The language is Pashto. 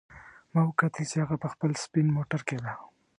ما وکتل چې هغه په خپل سپین موټر کې ده